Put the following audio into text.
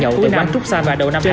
cuối năm trúc sang và đầu năm tháng